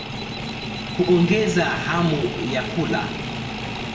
Huongeza hamu ya kula.